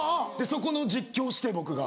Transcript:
そこの実況して僕が。